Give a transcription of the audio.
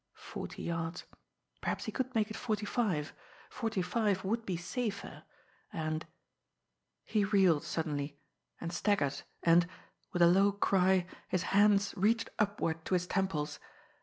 Forty yards! Perhaps he could make it forty five! Forty five would be safer; and he reeled suddenly, and staggered, and, with a low cry, his hands reached upward to his temples.